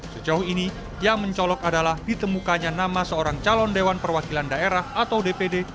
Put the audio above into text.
sejauh ini yang mencolok adalah ditemukannya nama seorang calon dewan perwakilan daerah atau dpd